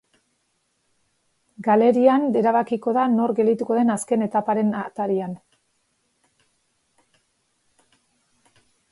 Galerian erabakiko da nor geldituko den azken etaparen atarian.